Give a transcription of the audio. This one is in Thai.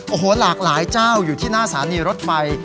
โอ้โหหลากหลายเจ้าอยู่ที่หน้าสถานีรถไฟ